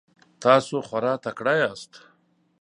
تاسو خورا تکړه یاست.